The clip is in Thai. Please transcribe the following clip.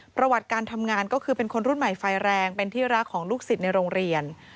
ประวัติการทำงานก็คือเป็นคนรุ่นใหม่ไฟแรงเป็นที่รักของลูกศิษย์ในโรงเรียน